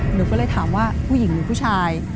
หนูก็เลยถามว่าผู้หญิงหรือผู้ชาย